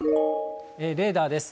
レーダーです。